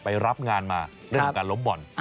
รับงานมาเรื่องของการล้มบ่อน